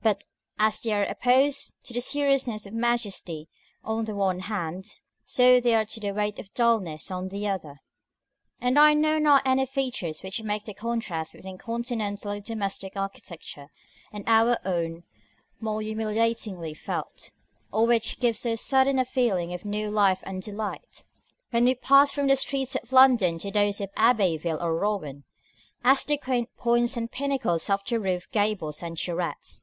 But as they are opposed to the seriousness of majesty on the one hand, so they are to the weight of dulness on the other; and I know not any features which make the contrast between continental domestic architecture, and our own, more humiliatingly felt, or which give so sudden a feeling of new life and delight, when we pass from the streets of London to those of Abbeville or Rouen, as the quaint points and pinnacles of the roof gables and turrets.